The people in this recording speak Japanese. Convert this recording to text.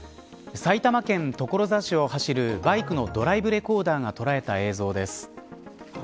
埼玉県所沢市を走るバイクのドライブレコーダーが捉えた映像です。